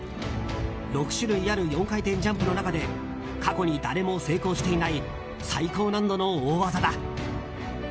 ６種類ある４回転ジャンプの中で過去に誰も成功していない最高難度の大技だ。